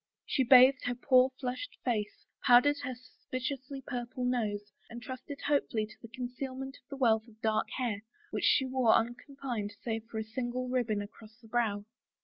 She bathed her poor flushed face, powdered her suspiciously purple nose, and trusted 15 THE FAVOR OF KINGS hopefully to the concealment of the wealth of dark hair which she wore unconfined save for a single ribbon across the brow.